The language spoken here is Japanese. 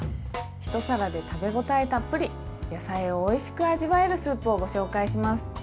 ひと皿で食べ応えたっぷり野菜をおいしく味わえるスープをご紹介します。